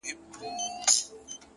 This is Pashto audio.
نیک کردار تر نوم مخکې ځلېږي.!